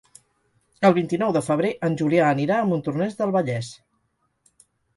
El vint-i-nou de febrer en Julià anirà a Montornès del Vallès.